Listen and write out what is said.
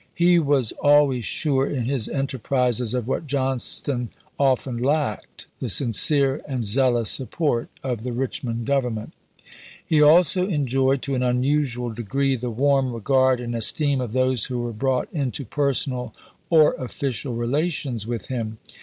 He was always sure in his enterprises of what Johnston often lacked, the sincere and zeal ous support of the Richmond Government. He 422 ABRAHAM LINCOLN ch. xxiii. also enjoyed, to an unusual degree, the warm re gard and esteem of those who were brought into personal or ofdcial relations with him.